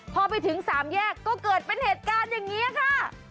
พอไปถึงสามแยกก็เกิดเป็นเหตุการณ์อย่างนี้ค่ะ